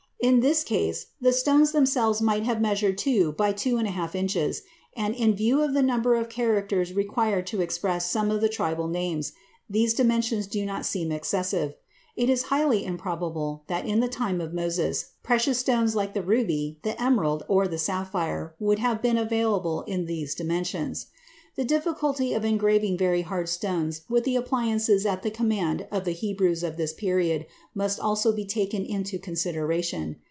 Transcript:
In this case the stones themselves might have measured two by two and a half inches, and, in view of the number of characters required to express some of the tribal names, these dimensions do not seem excessive. It is highly improbable that in the time of Moses precious stones like the ruby, the emerald, or the sapphire would have been available in these dimensions. The difficulty of engraving very hard stones with the appliances at the command of the Hebrews of this period must also be taken into consideration.